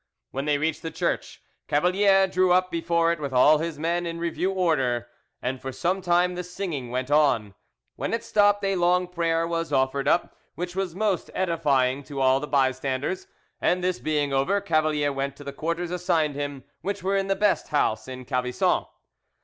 When they reached the church, Cavalier drew up before it with all his men in review order, and for some time the singing went on. When it stopped, a long prayer was offered up, which was most edifying to all the bystanders; and this being over, Cavalier went to the quarters assigned him, which were in the best house in Calvisson.